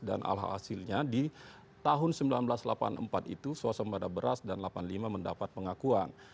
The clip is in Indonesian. dan alhasilnya di tahun seribu sembilan ratus delapan puluh empat itu swasembada beras dan delapan puluh lima mendapat pengakuan